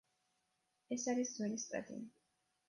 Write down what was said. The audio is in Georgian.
ეს არის ძველი სტადია.